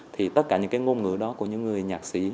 thì tất cả những cái ngôn ngữ đó của những người nhạc sĩ